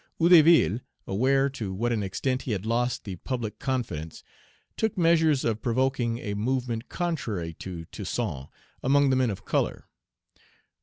Page 93 Hédouville, aware to what an extent he had lost the public confidence, took measures for provoking a movement contrary to Toussaint, among the men of color.